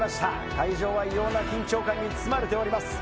会場は異様な緊張感に包まれております。